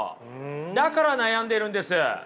だから悩んでるんです。